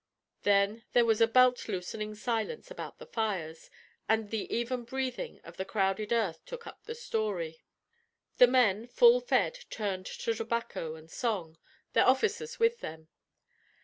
Then there was a belt loosening silence about the fires, and the even breathing of the crowded earth took up the story. The men, full fed, turned to tobacco and song their officers with them.